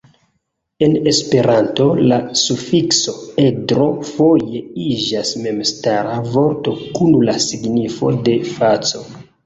En Esperanto, la sufikso "edro" foje iĝas memstara vorto kun la signifo de faco.